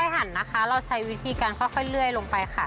หันนะคะเราใช้วิธีการค่อยเลื่อยลงไปค่ะ